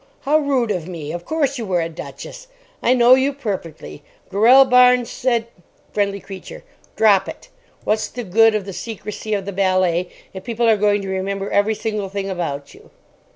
How rude of me. Of course you were a duchess. I know you perfectly. Gorell Barnes said—— FRIENDLY CREATURE. Drop it. What's the good of the secrecy of the ballet if people are going to remember every single thing about you?